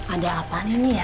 ada apaan ini ya